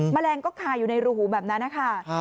แมลงก็คาอยู่ในรูหูแบบนั้นนะคะ